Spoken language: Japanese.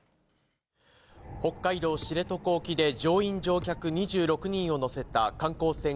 北海道知床沖で乗員・乗客２６人を乗せた観光船